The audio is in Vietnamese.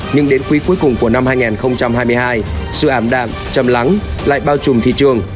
nhưng đến quý cuối cùng của năm hai nghìn hai mươi hai sự ảm đạm chầm lắng lại bao trùm thị trường